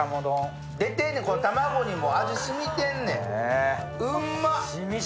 出てんねん卵にも味染みてんねん、うまっ！